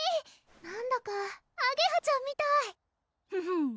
なんだかあげはちゃんみたいフフ